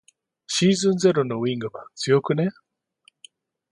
シーズンゼロのウィングマン強くね。